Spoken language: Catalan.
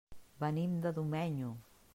Venim de Domenyo.